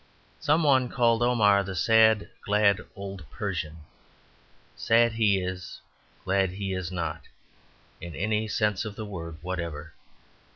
Some one called Omar "the sad, glad old Persian." Sad he is; glad he is not, in any sense of the word whatever.